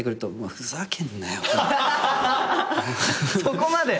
そこまで！？